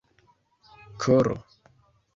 koro